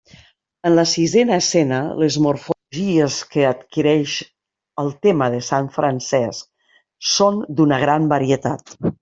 En la sisena escena, les morfologies que adquireix el tema de sant Francesc són d'una gran varietat.